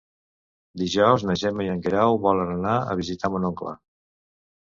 Dijous na Gemma i en Guerau volen anar a visitar mon oncle.